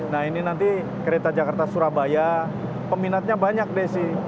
nah ini nanti kereta jakarta surabaya peminatnya banyak desi